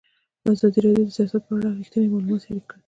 ازادي راډیو د سیاست په اړه رښتیني معلومات شریک کړي.